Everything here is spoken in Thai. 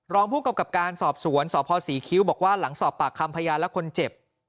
รองพูกกับการสอบสวนสอบภาวสีคิ้วบอกว่าหลังสอบปากคำพยายามและคนเจ็บ